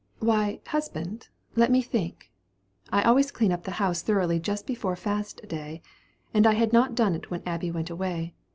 "Why, husband, let me think: I always clean up the house thoroughly just before fast day, and I had not done it when Abby went away.